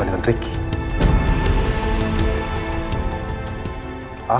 akan aku ganti rika